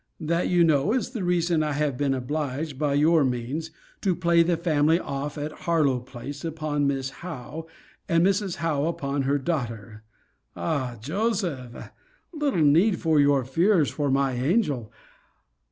That, you know, is the reason I have been obliged, by your means, to play the family off at Harlowe place upon Mrs. Howe, and Mrs. Howe upon her daughter Ah, Joseph! Little need for your fears for my angel!